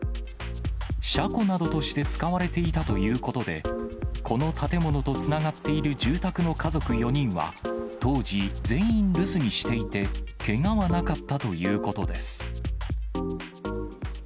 車庫などとして使われていたということで、この建物とつながっている住宅の家族４人は、当時、全員留守にしていて、けがはなかったということです。